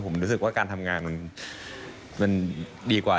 ผมรู้สึกว่าการทำงานมันดีกว่า